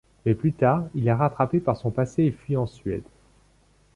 Mais plus tard, il est rattrapé par son passé et fuit en Suède.